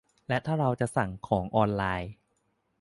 และถ้าเราสั่งของออนไลน์